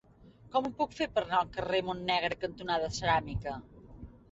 Com ho puc fer per anar al carrer Montnegre cantonada Ceràmica?